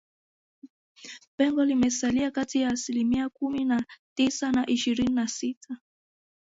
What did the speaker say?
Pengo limesalia kati ya asilimia kumi na tisa na ishirini na sita